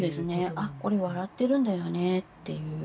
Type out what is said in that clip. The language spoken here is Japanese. あっこれ笑ってるんだよねっていう。